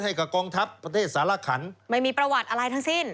ให้กับกองทัพประเทศสารขันไม่มีประวัติอะไรทั้งสิ้น